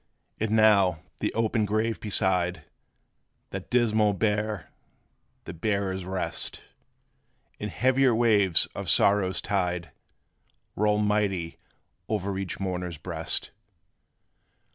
And now, the open grave beside, That dismal bier the bearers rest; And heavier waves of sorrow's tide Roll mighty o'er each mourner's breast.